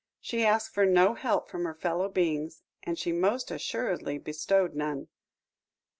She asked for no help from her fellow beings, and she most assuredly bestowed none.